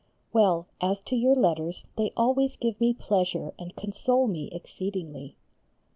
Well, as to your letters, they always give me pleasure and console me exceedingly.